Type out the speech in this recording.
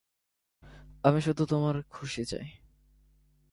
আমি শুধু তোমার খুশি চাই।